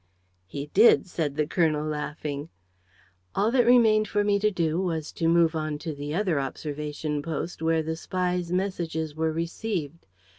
"He did," said the colonel, laughing. "All that remained for me to do was to move on to the other observation post, where the spy's messages were received.